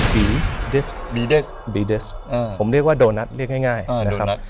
ผมเรียกว่าโดนัทเรียกง่ายนะครับ